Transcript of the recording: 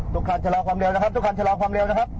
ทุกคนจะรอความเร็วนะครับ